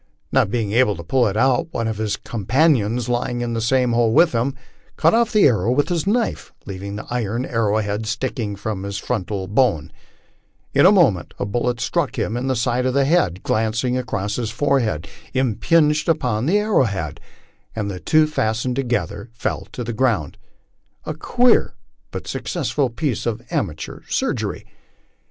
Not being able to pull it out, one of his companions, lying in the same hole with him, cut off the arrow with his knife, leaving the iron arrowhead sticking in his frontal bone; in a moment a bullet struck him in the side of the head, glanced across his forehead, impinged upon the arrowhead, and the two fastened together fell to the ground a queer but successful piece of amateur surgery.